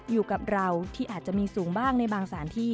อยู่กับเราที่อาจจะมีสูงบ้างในบางสถานที่